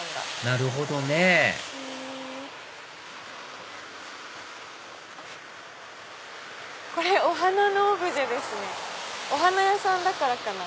なるほどねこれお花のオブジェですねお花屋さんだからかな。